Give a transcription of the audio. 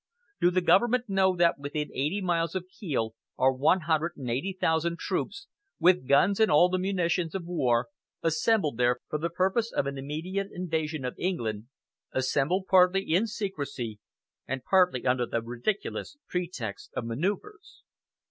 Do the Government know that within eighty miles of Kiel are one hundred and eighty thousand troops, with guns and all the munitions of war, assembled there for the purpose of an immediate invasion of England, assembled partly in secrecy, and partly under the ridiculous pretexts of manoeuvres?